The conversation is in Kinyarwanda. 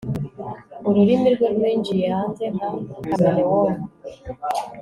ururimi rwe rwinjiye hanze nka chameleone